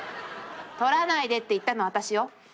「取らないでって言ったのはあたしよ！」。